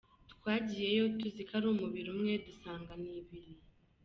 Twagiyeyo tuzi ko ari umubiri umwe dusanga ni ibiri.